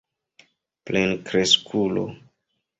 plenkreskulo